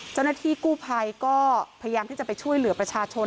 เจ้าหน้าที่กู้ภัยก็พยายามที่จะไปช่วยเหลือประชาชน